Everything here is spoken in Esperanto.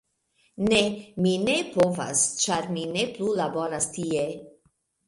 "Ne. Mi ne povas ĉar mi ne plu laboras tie.